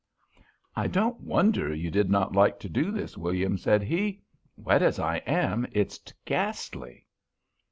"I don't wonder you did not like to do this, William," said he. "Wet as I am, it's ghastly!"